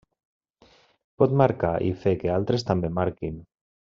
Pot marcar i fer que altres també marquin.